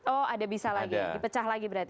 oh ada bisa lagi ya di pecah lagi berarti ya